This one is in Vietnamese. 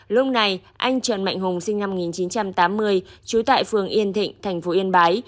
lúc này anh trần mạnh hùng sinh năm một nghìn chín trăm tám mươi trú tại phường yên thịnh thành phố yên bái